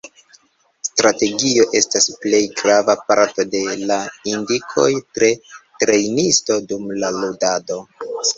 Strategio estas plej grava parto de la indikoj de trejnisto, dum la ludado.